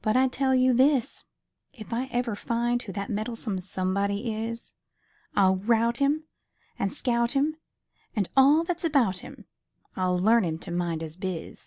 But I tell you this: if I ever find Who that meddlesome "somebody" is, I'll rout 'im, an' scout 'im, an' all that's about 'im, I'll learn 'im to mind his biz.